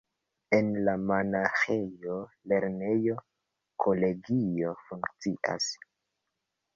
En la monaĥejo lernejo-kolegio funkcias.